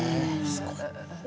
すごい！